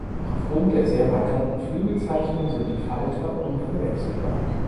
Aufgrund der sehr markanten Flügelzeichnung sind die Falter unverwechselbar.